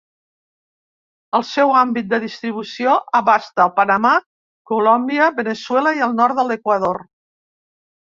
El seu àmbit de distribució abasta el Panamà, Colòmbia, Veneçuela i el nord de l'Equador.